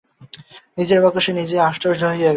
নিজের বাক্যে সে নিজেই আশ্চর্য হইয়া গেল।